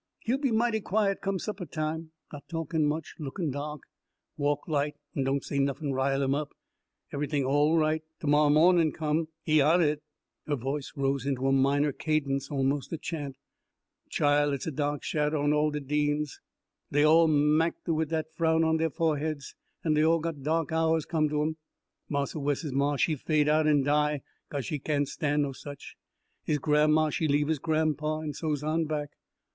"He'll be mighty quiet come suppeh time, not talkin' much, lookin' dahk. Walk light, an' don't say nuffin' rile him up, eve'ything all right. T' morrow mawnin' come, he's outer it." Her voice rose into a minor cadence, almost a chant. "Chile, it's a dahk shadder on all de Deans dey all mahked wid dat frown on deir foreheads, an' dey all got dahk hours come to um. Marse Wes's maw she fade out an' die caze she cain' stan' no such. His grammaw, she leave his grampaw. An' so on back.